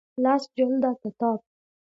لس جلده کتاب